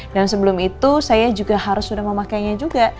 dan sebelum itu saya juga harus sudah memakainya juga